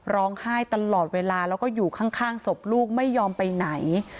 ร้องไห้ตลอดเวลาแล้วก็อยู่ข้างศพลูกไม่ยอมไปไหน